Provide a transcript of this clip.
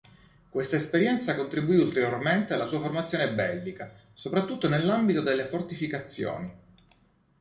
Questa esperienza contribuì ulteriormente alla sua formazione bellica, soprattutto nell'ambito delle fortificazioni.